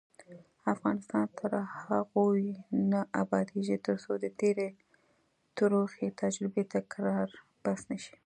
افغانستان تر هغو نه ابادیږي، ترڅو د تېرې تروخې تجربې تکرار بس نه شي.